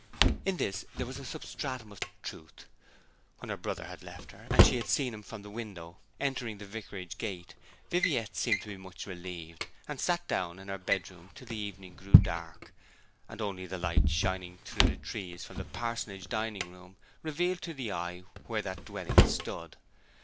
In this there was a substratum of truth. When her brother had left her, and she had seen him from the window entering the vicarage gate, Viviette seemed to be much relieved, and sat down in her bedroom till the evening grew dark, and only the lights shining through the trees from the parsonage dining room revealed to the eye where that dwelling stood.